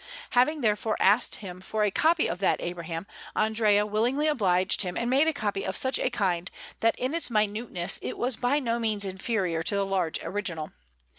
Having therefore asked him for a copy of that Abraham, Andrea willingly obliged him and made a copy of such a kind, that in its minuteness it was by no means inferior to the large original.